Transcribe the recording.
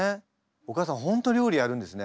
お母さん本当料理やるんですね。